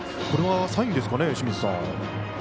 これはサインですかね。